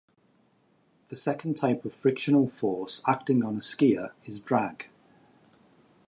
The second type of frictional force acting on a skier is drag.